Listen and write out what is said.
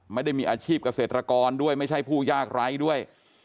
ไม่ได้มีอาชีพเกษตรกรด้วยไม่ใช่ผู้ยากไร้ด้วย